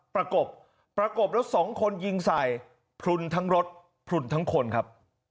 ประกบประกบแล้วสองคนยิงใส่พลุนทั้งรถพลุนทั้งคนครับ